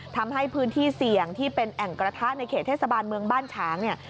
ทำให้พื้นที่เสี่ยงที่เป็นแอ่งกระทะในเขตเทศบาลเมืองบ้านฉางเนี่ย